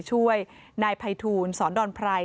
ช่วยนายภัยทูลสอนดอนไพร